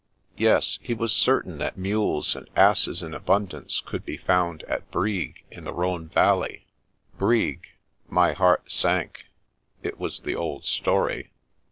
Yes, he was certain that mules and asses in abundance could be found at Brig in the Rhone Valley. Brig! My heart sank. It was the old story.